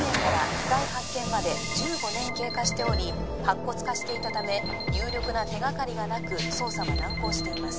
遺体発見まで１５年経過しており白骨化していたため有力な手がかりがなく捜査は難航しています